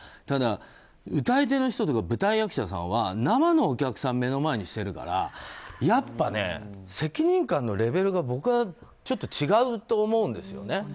ただ、歌い手の人とか舞台役者は生のお客さんを目の前にしてるからやっぱり責任感のレベルが僕はちょっと違うと思うんですよね。